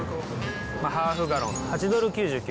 ハーフガロン、８ドル９９。